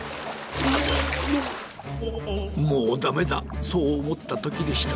もうダメだそうおもったときでした。